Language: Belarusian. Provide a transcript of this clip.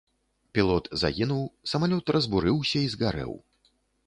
Пілот загінуў, самалёт разбурыўся і згарэў.